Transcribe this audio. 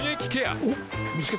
おっ見つけた。